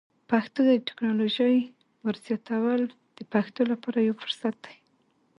پښتو ته د ټکنالوژۍ ور زیاتول د پښتنو لپاره یو فرصت دی.